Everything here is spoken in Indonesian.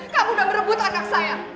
kamu udah berebut anak saya